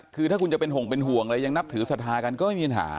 คือถ้าคุณจะเป็นห่วงเป็นห่วงอะไรยังนับถือศรัทธากันก็ไม่มีปัญหา